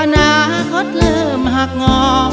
อนาคตเริ่มหักงอ